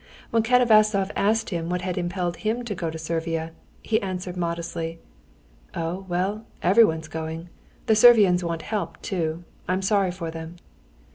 When Katavasov asked him what had impelled him to go to Servia, he answered modestly: "Oh, well, everyone's going. The Servians want help, too. I'm sorry for them."